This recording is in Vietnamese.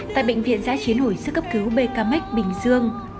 tại bệnh viện giã chiến hồi sức cấp cứu bkm bình dương